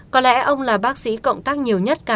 có lẽ ông là bác sĩ cộng tác nhiều nhất cả